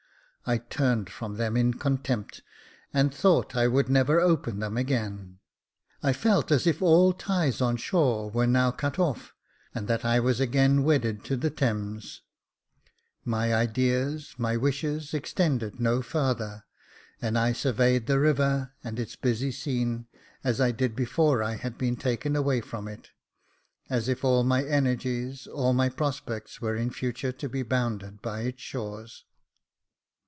I turned from them with contempt, and thought I would never open them again. I felt as if all ties on shore were now cut off, and that I was again wedded to the Thames ; my ideas, my wishes, extended no farther, and I surveyed the river, and its busy scene, as I did before I had been taken away from it, as if all my energies, all my prospects were in future to be bounded by its shores.